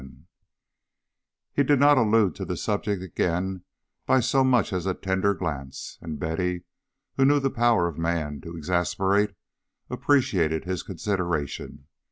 XI He did not allude to the subject again by so much as a tender glance, and Betty, who knew the power of man to exasperate, appreciated his consideration.